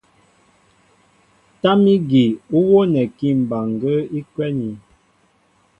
Tâm ígi ú wónɛkí mbaŋgə́ə́ í kwɛ́nī.